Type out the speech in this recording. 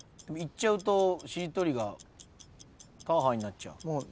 行っちゃうとしりとりがぱあになっちゃう。